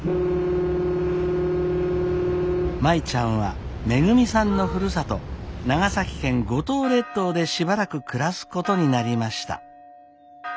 舞ちゃんはめぐみさんのふるさと長崎県五島列島でしばらく暮らすことになりました。